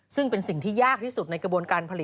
ซึ่งเป็นสิ่งที่ยากที่สุดในกระบวนการผลิต